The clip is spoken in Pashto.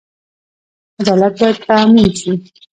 عدالت باید تامین شي